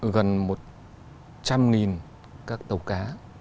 gần một trăm linh các tàu cá